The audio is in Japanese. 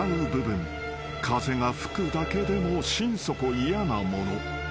［風が吹くだけでも心底嫌なもの］